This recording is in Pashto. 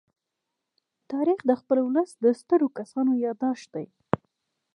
تاریخ د خپل ولس د سترو کسانو يادښت دی.